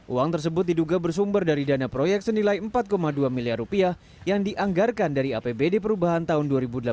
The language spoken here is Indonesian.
uang tersebut diduga bersumber dari dana proyek senilai empat dua miliar rupiah yang dianggarkan dari apbd perubahan tahun dua ribu delapan belas